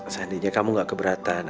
seandainya kamu gak keberatan